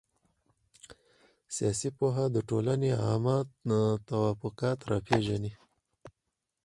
سياسي پوهه د ټولني عامه توافقات را پېژني.